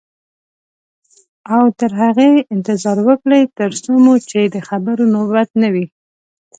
او تر هغې انتظار وکړئ تر څو مو چې د خبرو نوبت نه وي.